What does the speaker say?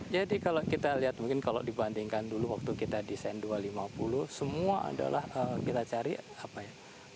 jadi kalau kita lihat mungkin kalau dibandingkan dulu waktu kita desain dua ratus lima puluh semua adalah kita cari apa ya